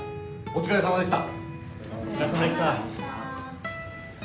お疲れさまでした。